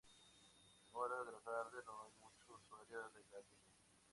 En horas de la tarde, no hay mucho usuario de la línea.